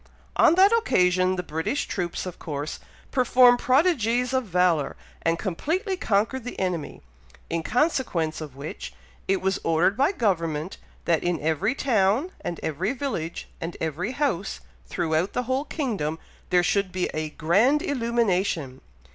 On that occasion the British troops of course performed prodigies of valour, and completely conquered the enemy, in consequence of which, it was ordered by government, that, in every town, and every village, and every house throughout the whole kingdom, there should be a grand illumination.